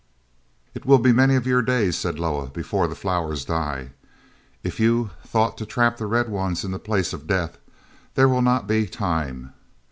"It will be many of your days," said Loah, "before the flowers die. If you thought to trap the Red Ones in the Place of Death, there will not be time...."